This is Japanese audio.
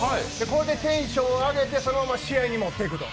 これでテンション上げてそのまま試合にもっていくと。